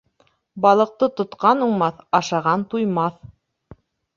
Балыҡты тотҡан уңмаҫ, ашаған туймаҫ.